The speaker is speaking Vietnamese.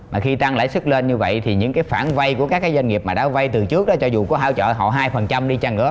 mà khi tăng lãi suất lên như vậy thì những cái phản vây của các doanh nghiệp mà đã vây từ trước đó cho dù có hỗ trợ họ hai đi chăng nữa